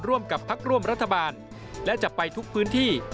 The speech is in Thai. ร่วมกับพักร่วมรัฐบาลและจะไปทุกพื้นที่